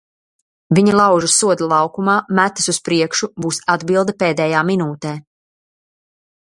Viņi laužas soda laukumā, metas uz priekšu, būs atbilde pēdējā minūtē.